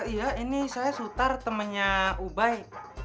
iya ini saya sutar temennya ubai